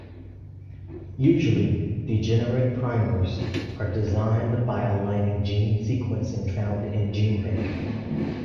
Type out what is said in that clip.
Usually, degenerate primers are designed by aligning gene sequencing found in GenBank.